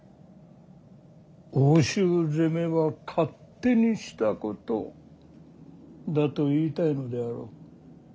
奥州攻めは勝手にしたことだと言いたいのであろう。